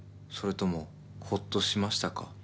それともほっとしましたか？